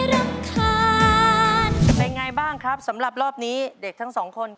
เป็นอย่างไรบ้างครับสำหรับรอบนี้เด็กทั้ง๒คน